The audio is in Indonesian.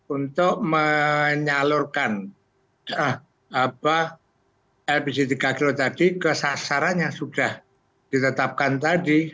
untuk menyalurkan lbc tiga kg tadi ke sasarannya sudah ditetapkan tadi